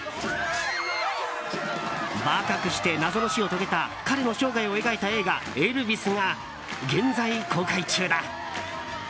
若くして謎の死を遂げた彼の生涯を描いた映画「エルヴィス」が現在公開中だ。